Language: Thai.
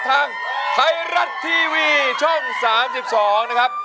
ทางไทยรัฐทีวีช่อง๓๒นะครับ